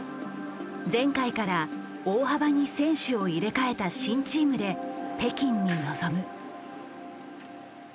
前回から大幅に選手を入れ替えた新チームで北京に臨む。